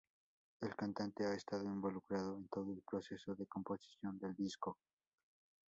El cantante ha estado involucrado en todo el proceso de composición del disco.